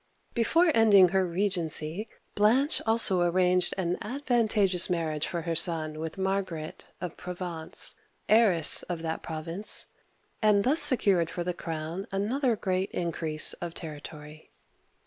Before ending her regency, Blanche also arranged an advantageous marriage for her son with Margaret of Provence, heiress of that province, and thus secured for the crown another great increase of territory.